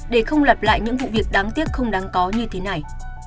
để không lặp lại những vụ việc đáng tiếc không đáng có như thế này